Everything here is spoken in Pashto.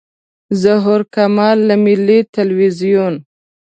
ظهور کمال له ملي تلویزیون.